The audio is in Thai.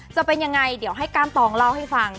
จะเป็นยังไงเดี๋ยวให้ก้านตองเล่าให้ฟัง